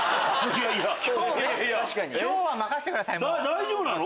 大丈夫なの？